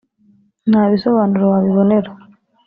ntabisobanuro wabibonera